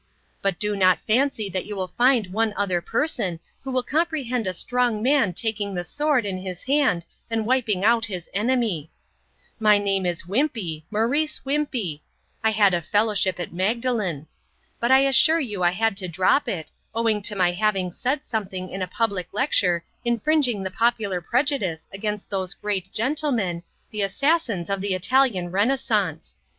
But do not fancy that you will find one other person who will comprehend a strong man taking the sword in his hand and wiping out his enemy. My name is Wimpey, Morrice Wimpey. I had a Fellowship at Magdalen. But I assure you I had to drop it, owing to my having said something in a public lecture infringing the popular prejudice against those great gentlemen, the assassins of the Italian Renaissance.